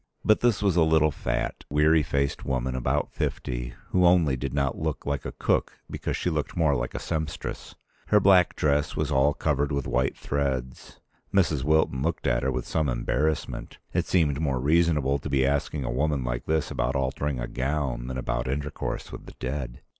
But this was a little fat, weary faced woman about fifty, who only did not look like a cook because she looked more like a sempstress. Her black dress was all covered with white threads. Mrs. Wilton looked at her with some embarrassment. It seemed more reasonable to be asking a woman like this about altering a gown than about intercourse with the dead.